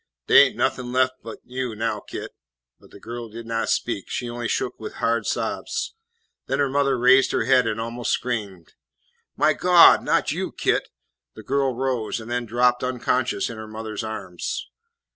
"Dey ain't nothin' lef' but you now, Kit;" but the girl did not speak, she only shook with hard sobs. Then her mother raised her head and almost screamed, "My Gawd, not you, Kit!" The girl rose, and then dropped unconscious in her mother's arms.